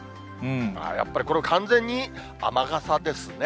やっぱりこれ、完全に雨傘ですね。